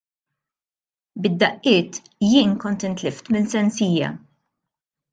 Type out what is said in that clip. Bid-daqqiet, jien kont intlift minn sensija.